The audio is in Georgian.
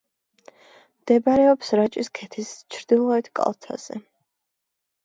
მდებარეობს რაჭის ქედის ჩრდილოეთ კალთზე.